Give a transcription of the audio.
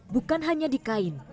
bukan hanya di kain